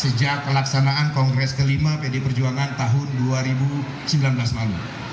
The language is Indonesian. sejak pelaksanaan kongres kelima pd perjuangan tahun dua ribu sembilan belas lalu